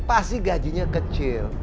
pasti gajinya kecil